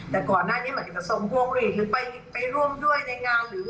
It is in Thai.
แต่ก่อนหน้านี้ไหมสงษ์กูระเหลหรือไปร่วมด้วยในงาน